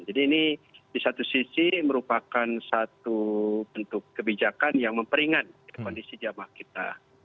jadi ini di satu sisi merupakan satu bentuk kebijakan yang memperingat kondisi jamah kita